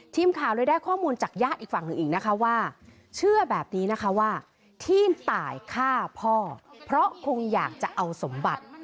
ทีมข่าวเลยได้ข้อมูลจากญาติอีกฝั่งหนึ่งอีกนะคะว่าเชื่อแบบนี้นะคะว่าที่ตายฆ่าพ่อเพราะคงอยากจะเอาสมบัติ